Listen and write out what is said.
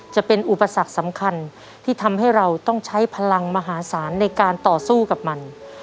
จะเป็นอุปสรรคสำคัญที่ทำให้เราต้องใช้พลังมหาศาลในการต่อสู้กับมัน